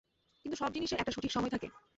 কিন্তু সব জিনিসের একটা সঠিক সময় থাকে!